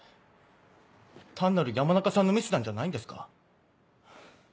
単なる山中さんのミスなんじゃないんですか？